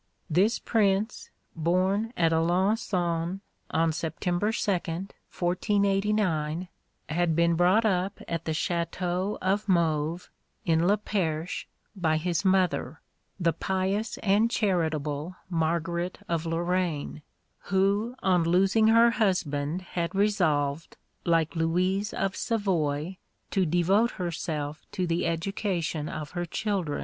This prince, born at Alençon on September 2nd, 1489, had been brought up at the Château of Mauves, in Le Perche, by his mother, the pious and charitable Margaret of Lorraine, who on losing her husband had resolved, like Louise of Savoy, to devote herself to the education of her children.